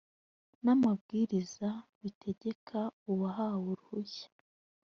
ni amabwiriza bitegeka uwahawe uruhushya